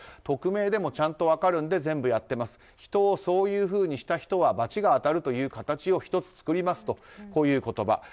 匿名でもちゃんと分かるんで全部やってます人をそういうふうにした人は罰が当たるという形を１つ作りますとこういう言葉。